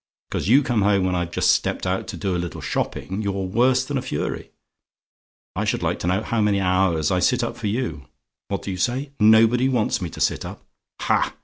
Because you come home when I've just stepped out to do a little shopping, you're worse than a fury. I should like to know how many hours I sit up for you? What do you say? "NOBODY WANTS ME TO SIT UP? "Ha!